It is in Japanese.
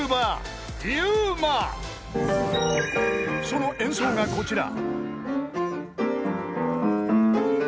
［その演奏がこちら］